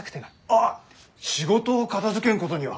ああ仕事を片づけんことには。